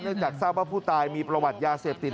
จากทราบว่าผู้ตายมีประวัติยาเสพติด